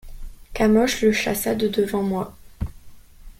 Kamosh le chassa de devant moi.